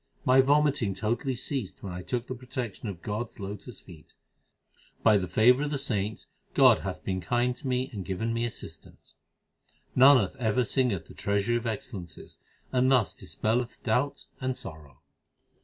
My vomiting totally ceased when I took the protection of God s lotus feet. By the favour of the saints, God hath been kind to me and given me assistance. Nanak ever singeth the Treasury of excellences, and thus dispelleth doubt and sorrow.